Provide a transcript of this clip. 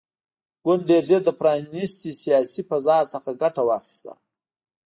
ګوند ډېر ژر له پرانیستې سیاسي فضا څخه ګټه واخیسته.